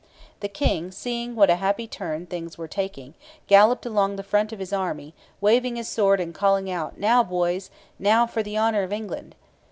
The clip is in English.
The king, seeing what a happy turn things were taking, galloped along the front of his army, waving his sword and calling out, 'Now, boys! Now for the honour of England!'